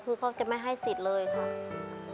คือเขาจะไม่ให้สิทธิ์เลยค่ะ